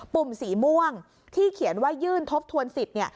ุ่มสีม่วงที่เขียนว่ายื่นทบทวนสิทธิ์